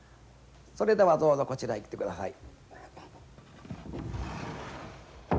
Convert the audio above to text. それではどうぞこちらへ来てください。